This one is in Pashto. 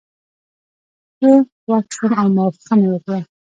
زه خوښ شوم او موافقه مې وکړه.